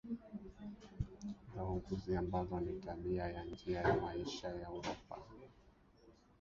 za uuguzi ambazo ni tabia ya njia ya maisha ya Uropa